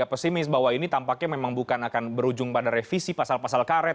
jadi saya juga agak pesimis bahwa ini tampaknya memang bukan akan berujung pada revisi pasal pasal karet